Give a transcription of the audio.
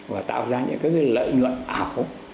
và tạo ra những lợi nhuận ảo hục